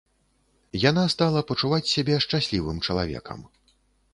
Яна стала пачуваць сябе шчаслівым чалавекам.